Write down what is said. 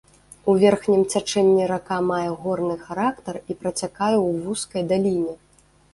У верхнім цячэнні рака мае горны характар і працякае ў вузкай даліне.